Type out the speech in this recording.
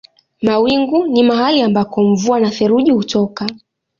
Mawingu ni mahali ambako mvua na theluji hutoka.